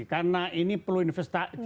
karena ini perlu investasi